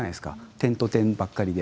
点と点ばっかりで。